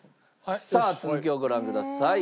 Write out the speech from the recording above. さあ続きをご覧ください。